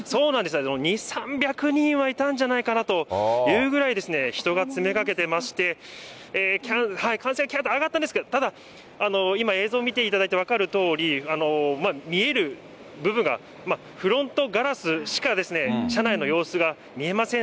２、３００人はいたんじゃないかなというぐらい人が詰めかけてまして、歓声、きゃーっと上がったんですけれども、ただ今、映像見ていただいて分かるとおり、見える部分が、フロントガラスしか、車内の様子が見えません